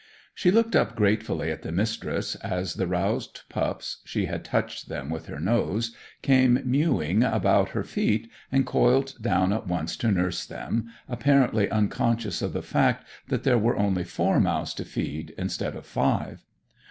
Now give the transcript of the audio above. She looked up gratefully at the Mistress, as the roused pups (she had touched them with her nose) came mewing about her feet, and coiled down at once to nurse them, apparently unconscious of the fact that there were only four mouths to feed instead of five.